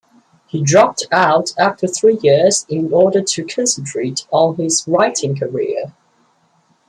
He dropped out after three years in order to concentrate on his writing career.